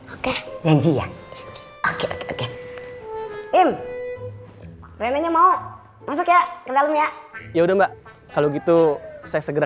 oke janji ya oke oke oke im renanya mau masuk ya ke dalam ya ya udah mbak kalau gitu saya segera